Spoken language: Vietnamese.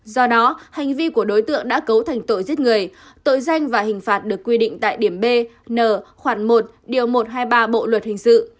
do đó hành vi của đối tượng đã cấu thành tội giết người tội danh và hình phạt được quy định tại điểm b n một điều một trăm hai mươi ba bộ luật hình sự